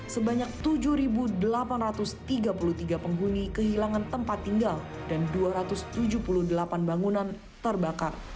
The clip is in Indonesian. sebanyak tujuh delapan ratus tiga puluh tiga penghuni kehilangan tempat tinggal dan dua ratus tujuh puluh delapan bangunan terbakar